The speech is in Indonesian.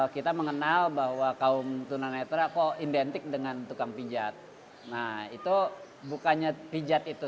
kita mengenal bahwa kaum tunanetra kok identik dengan tukang pijat nah itu bukannya pijat itu